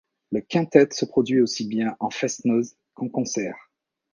Le quintet se produit aussi bien en fest-noz qu'en concert.